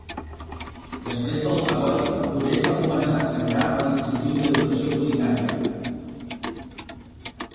Després del Savoy, en Burrell va començar a ensenyar a l'Institut d'Educació Culinària.